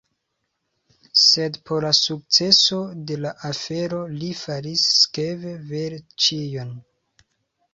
Sed por la sukceso de la afero li faris sekve vere ĉion.